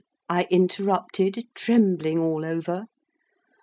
I interrupted, trembling all over.